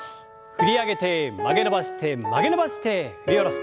振り上げて曲げ伸ばして曲げ伸ばして振り下ろす。